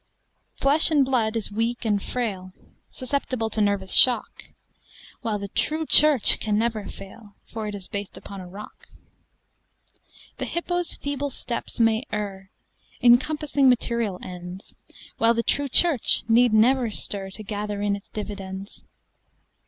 Flesh and blood is weak and frail, Susceptible to nervous shock; While the True Church can never failFor it is based upon a rock. The hippo's feeble steps may errIn compassing material ends, While the True Church need never stirTo gather in its dividends.